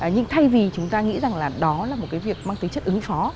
nhưng thay vì chúng ta nghĩ rằng là đó là một cái việc mang tính chất ứng phó